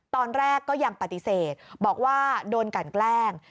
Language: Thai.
ตอนแรกก็ยังปฏิเสธบอกว่าโดนกันแกล้ง